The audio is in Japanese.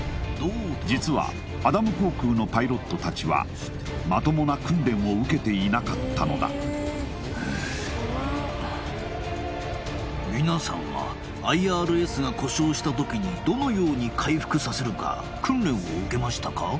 実はアダム航空のパイロット達はまともな訓練を受けていなかったのだ皆さんはＩＲＳが故障した時にどのように回復させるか訓練を受けましたか？